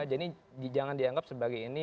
jangan dianggap sebagai ini